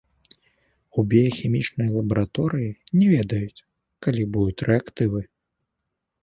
У біяхімічнай лабараторыі не ведаюць, калі будуць рэактывы.